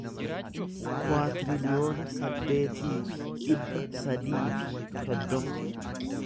kuwaatiriliyoona saddeetii fi dhibba sadii fi soddoma